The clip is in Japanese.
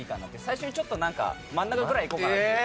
最初にちょっとなんか真ん中ぐらいいこうかなという。